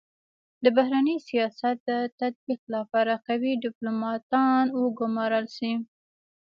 د بهرني سیاست د تطبیق لپاره قوي ډيپلوماتان و ګمارل سي.